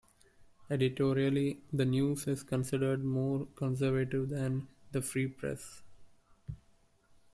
Editorially, "The News" is considered more conservative than the "Free Press.